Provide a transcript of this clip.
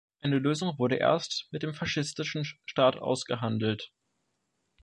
Eine Lösung wurde erst mit dem faschistischen Staat ausgehandelt.